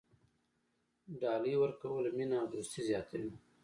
ډالۍ ورکول مینه او دوستي زیاتوي.